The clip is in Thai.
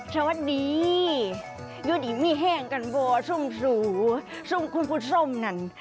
สวัสดีอยู่ดีมีแห้งกันบ่อซุ่มคุณผู้ชมนั่น